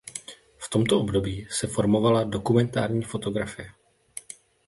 V tomto období se formovala „dokumentární fotografie“.